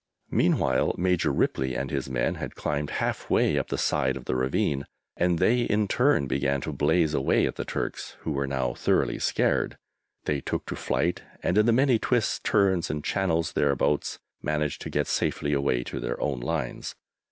Meanwhile Major Ripley and his men had climbed half way up the side of the ravine, and they in turn began to blaze away at the Turks, who were now thoroughly scared. They took to flight, and in the many twists, turns and channels thereabouts managed to get safely away to their own lines.